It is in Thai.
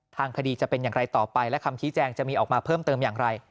ทางคดีจะเป็นอย่างไรต่อไปและคำชี้แจงจะมีออกมาเพิ่มเติมอย่างไร